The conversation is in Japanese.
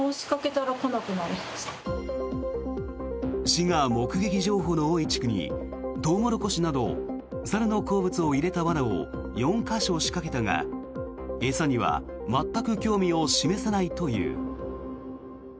市が目撃情報の多い地区にトウモロコシなど猿の好物を入れた罠を４か所仕掛けたが餌には全く興味を示さないという。